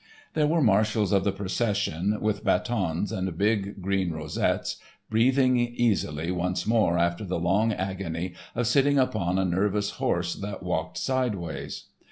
There were marshals of the procession, with batons and big green rosettes, breathing easily once more after the long agony of sitting upon a nervous horse that walked sideways.